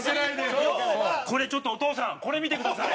ちょっと、お父さんこれ見てください。